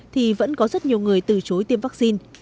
thì vẫn có rất nhiều người từ chối tiêm vaccine